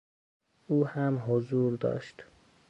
او هم حضور داشت.